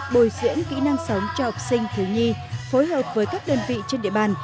bồi dưỡng kỹ năng sống cho học sinh thiếu nhi phối hợp với các đơn vị trên địa bàn